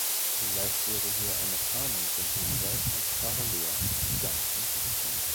Vielleicht wäre hier eine Fahne mit dem Hinweis "Ich fahre leer" ganz interessant.